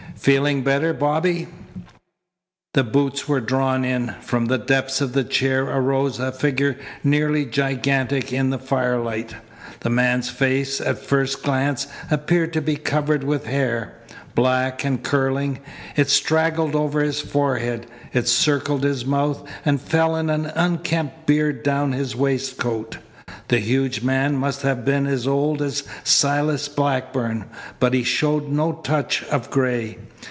"Feeling better, Bobby?" The boots were drawn in. From the depths of the chair arose a figure nearly gigantic in the firelight. The man's face, at first glance, appeared to be covered with hair. Black and curling, it straggled over his forehead. It circled his mouth, and fell in an unkempt beard down his waistcoat. The huge man must have been as old as Silas Blackburn, but he showed no touch of gray.